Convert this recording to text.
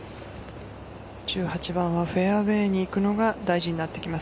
１８番はフェアウェイにいくのが大事になってきます。